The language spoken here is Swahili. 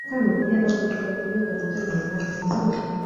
Yafaa kuzingatia kuwa neno jipya aghlabu huwa ni kizazi cha wazo jipya